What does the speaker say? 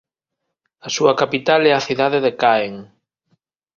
A súa capital é a cidade de Caen.